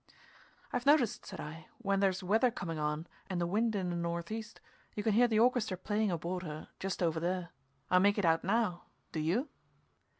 "I've noticed," said I, "when there's weather coming on, and the wind in the northeast, you can hear the orchestra playing aboard of her just over there. I make it out now. Do you?"